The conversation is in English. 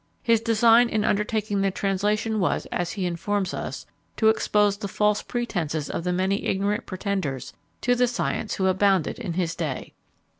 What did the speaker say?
His design in undertaking the translation was, as he informs us, to expose the false pretences of the many ignorant pretenders to the science who abounded in his day.